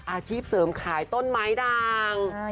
อาชีพเสริมขายต้นไม้ดัง